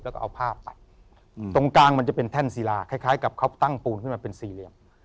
แล้วก็เอาผ้าไปตรงกลางมันจะเป็นแท่นศิลาคล้ายกับเขาตั้งปูนขึ้นมาเป็นสี่เหลี่ยม